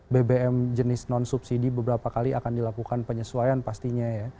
bbm jenis non subsidi beberapa kali akan dilakukan penyesuaian pastinya ya